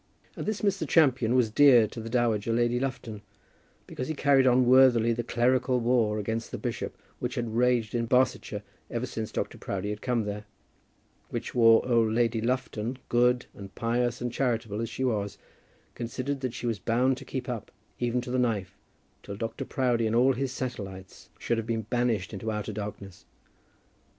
And this Mr. Champion was dear to the Dowager Lady Lufton, because he carried on worthily the clerical war against the bishop which had raged in Barsetshire ever since Dr. Proudie had come there, which war old Lady Lufton, good and pious and charitable as she was, considered that she was bound to keep up, even to the knife, till Dr. Proudie and all his satellites should have been banished into outer darkness.